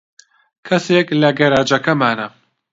کەسێک لە گەراجەکەمانە.